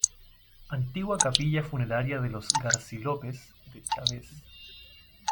Antigua capilla funeraria de los Garci-López de Chaves.